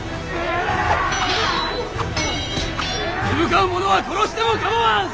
手向かう者は殺しても構わん！